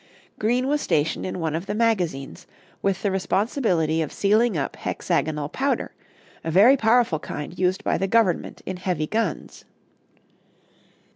Green was stationed in one of the magazines, with the responsibility of sealing up hexagonal powder, a very powerful kind used by the government in heavy guns.